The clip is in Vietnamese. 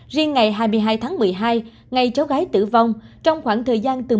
riêng ngày hai mươi hai tháng một mươi hai ngày cháu gái tử vong trong khoảng thời gian từ một mươi bốn h đến một mươi tám h